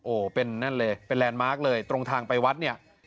โอ้โหเป็นนั่นเลยเป็นแลนด์มาร์คเลยตรงทางไปวัดเนี่ย